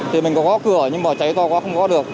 thì mình có góp cửa nhưng mà cháy to quá không góp được